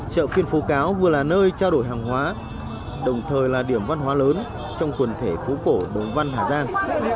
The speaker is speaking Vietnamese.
chợ phiên phố cáo vừa là nơi trao đổi hàng hóa đồng thời là điểm văn hóa lớn trong quần thể phố cổ đồng văn hà giang